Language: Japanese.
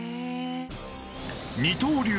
二刀流